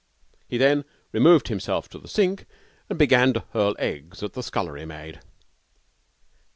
He then removed himself to the sink and began to hurl eggs at the scullery maid.'